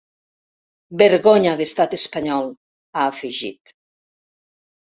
Vergonya d’estat espanyol!, ha afegit.